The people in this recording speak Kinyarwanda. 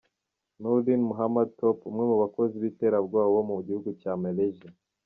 Noordin Mohammad Top, umwe mu bakozi b’iterabwoba wo mu gihugu cya Malaysia.